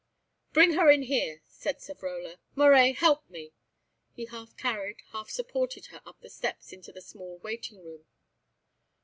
"Bring her in here," said Savrola. "Moret, help me." He half carried, half supported her up the steps into the small waiting room.